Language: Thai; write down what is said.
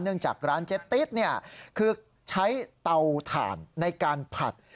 จากร้านเจ๊ติ๊ดเนี่ยคือใช้เตาถ่านในการผัด